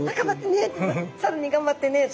更に頑張ってねと。